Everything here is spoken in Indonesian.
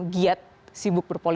jika k sisual